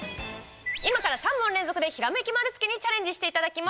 今から３問連続でひらめき丸つけにチャレンジしていただきます。